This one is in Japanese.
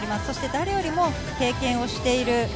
そして誰よりも経験している。